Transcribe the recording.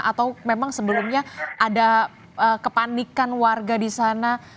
atau memang sebelumnya ada kepanikan warga di sana